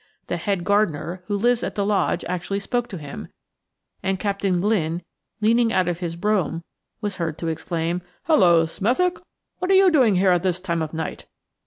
The head gardener, who lives at the lodge actually spoke to him, and Captain Glynne, leaning out of his brougham, was heard to exclaim: "Hello, Smethick, what are you doing here at this time of night?"